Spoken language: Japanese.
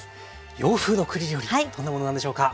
洋風の栗料理どんなものなんでしょうか。